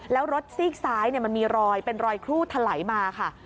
แล้วรถซีกซ้ายมันมีรอยเป็นรอยครูดถลายมาค่ะ